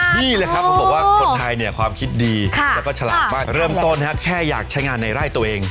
นี่แหละครับเขาบอกว่าคนไทยเนี่ยความคิดดีแล้วก็ฉลาดมากเริ่มต้นแค่อยากใช้งานในไร่ตัวเอง